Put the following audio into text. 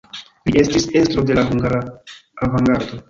Li estis estro de la hungara avangardo.